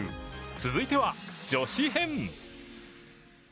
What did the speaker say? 続いては女子編。